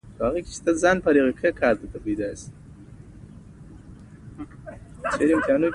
د راغلیو کسبګرو لپاره مناسب بازار و.